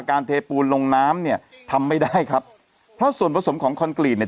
เทปูนลงน้ำเนี่ยทำไม่ได้ครับเพราะส่วนผสมของคอนกรีตเนี่ย